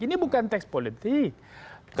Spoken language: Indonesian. ini bukan teks politik